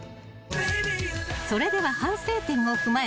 ［それでは反省点を踏まえて２人目へ］